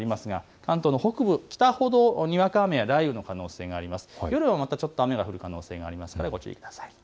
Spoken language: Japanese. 関東の北ほどにわか雨や雷雨の可能性があります。